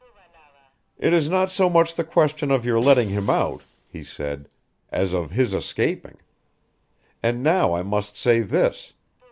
"It is not so much the question of your letting him out," he said, "as of his escaping. And now I must say this.